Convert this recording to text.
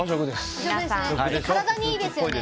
体にいいですよね？